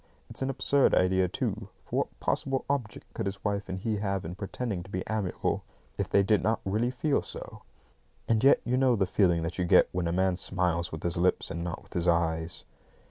It's an absurd idea, too; for what possible object could his wife and he have in pretending to be amiable, if they did not really feel so? And yet you know the feeling that you get when a man smiles with his lips and not with his eyes.